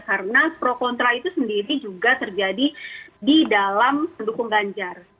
karena pro kontra itu sendiri juga terjadi di dalam pendukung ganjar